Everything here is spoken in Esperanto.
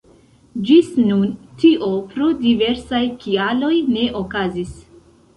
Ĝis nun tio pro diversaj kialoj ne okazis.